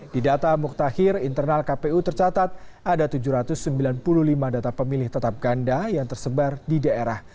di data muktahir internal kpu tercatat ada tujuh ratus sembilan puluh lima data pemilih tetap ganda yang tersebar di daerah